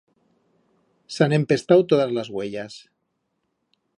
S'han empestau todas las uellas.